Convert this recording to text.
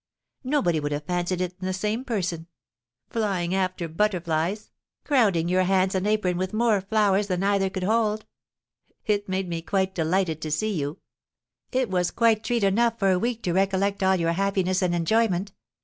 Nobody would have fancied it the same person, flying after the butterflies, crowding your hands and apron with more flowers than either could hold. It made me quite delighted to see you! It was quite treat enough for a week to recollect all your happiness and enjoyment.